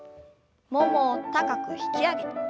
ももを高く引き上げて。